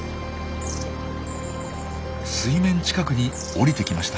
水面近くに降りてきました。